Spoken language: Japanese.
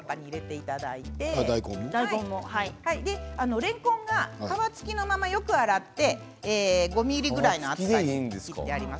れんこんが皮付きのままよく洗って５ｍｍぐらいの厚さにやります。